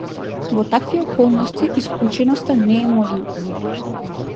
Во такви околности исклученоста не е можна.